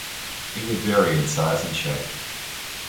It would vary in size and shape.